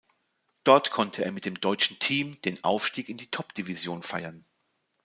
Dort konnte er mit dem deutschen Team den Aufstieg in die Top-Division feiern.